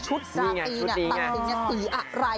ชุดตราตรีในตามสิ่งอะไร